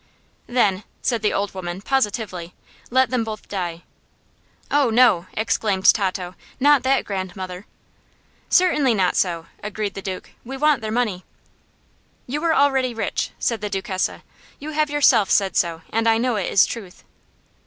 "Then," said the old woman, positively, "let them both die." "Oh, no!" exclaimed Tato. "Not that, grandmother!" "Certainly not so," agreed the Duke. "We want their money." "You are already rich," said the Duchessa. "You have yourself said so, and I know it is truth."